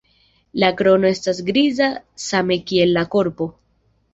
La krono estas griza same kiel la korpo.